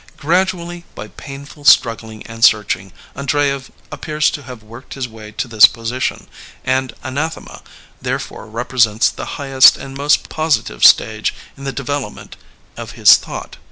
Gradually, by painful struggling and searching, Andreyev appears to have worked his way to this position, and Anathema there fore represents the highest and most positive stage in the development of his thought.